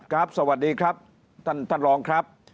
สวัสดีครับท่านท่านรองครับ